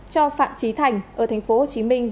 cho phạm trí thành ở thành phố hồ chí minh